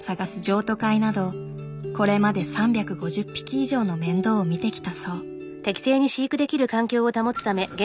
譲渡会などこれまで３５０匹以上の面倒を見てきたそう。